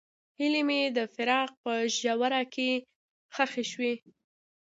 هیلې مې د فراق په ژوره کې ښخې شوې.